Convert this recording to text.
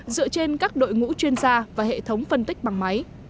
dựa trên các đội ngũ chuyên gia và hệ thống phân tích bằng máy